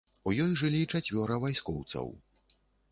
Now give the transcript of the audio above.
У ёй жылі чацвёра вайскоўцаў.